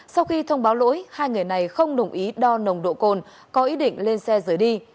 sau khi thông báo lỗi hai người này không đồng ý đo nồng độ cồn có ý định lên xe rời đi